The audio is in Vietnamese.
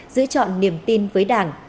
giữ chọn niềm tin với đảng